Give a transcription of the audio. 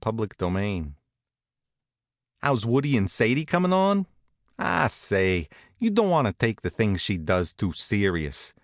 CHAPTER XIII How's Woodie and Sadie comin' on? Ah, say! you don't want to take the things she does too serious.